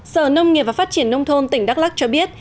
sở nông nghiệp và phát triển nông thôn tỉnh đắk lắc cho biết